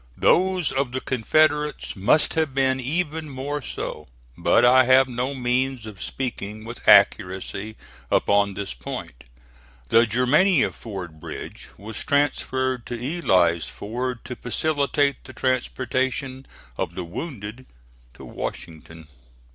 Those of the Confederates must have been even more so; but I have no means of speaking with accuracy upon this point. The Germania Ford bridge was transferred to Ely's Ford to facilitate the transportation of the wounded to Washington.